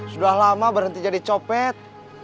sudah lama berhenti jadi copet